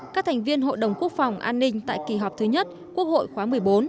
các thành viên hội đồng quốc phòng an ninh tại kỳ họp thứ nhất quốc hội khóa một mươi bốn